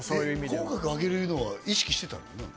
口角を上げるのは意識してたの？